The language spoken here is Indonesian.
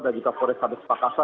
dan juga foren sabit pakasa